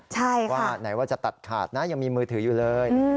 ใช่ว่าไหนว่าจะตัดขาดนะยังมีมือถืออยู่เลย